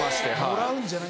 もらうんじゃない。